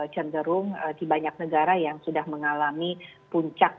cenderung di banyak negara yang sudah mengalami puncak